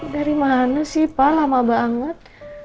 dari mana sih pak lama banget